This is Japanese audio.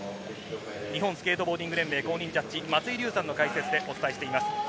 日本スケートボーディング連盟公認ジャッジ、松井立さんの解説でお伝えしています。